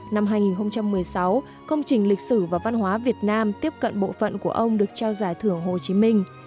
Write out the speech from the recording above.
năm hai nghìn một mươi sáu công trình lịch sử và văn hóa việt nam tiếp cận bộ phận của ông được trao giải thưởng hồ chí minh